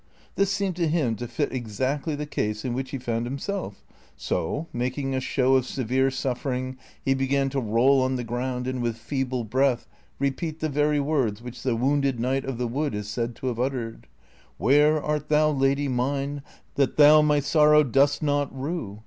This seemed to him to fit exactly the case in which he foiind himself, so, making a show of severe suffering, he began to roll on the ground and with feeble breath repeat the very Avords which the wounded knight of the wood is said to have uttered :^&^" Where art thou, hidy mine ; that thou My sorrow dost not rue